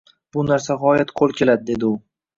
bu narsa g‘oyat qo‘l keladi, — dedi u.